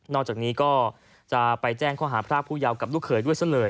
จากนี้ก็จะไปแจ้งข้อหาพรากผู้เยาว์กับลูกเขยด้วยซะเลย